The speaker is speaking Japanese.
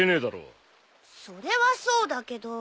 それはそうだけど。